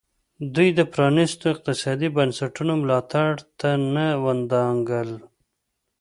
دوی د پرانیستو اقتصادي بنسټونو ملاتړ ته نه ودانګل.